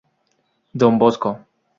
Don Bosco.